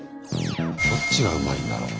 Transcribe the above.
どっちがうまいんだろう？